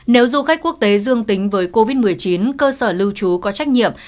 nếu du khách quốc tế dương tính với covid một mươi chín cơ sở lưu trú có trách nhiệm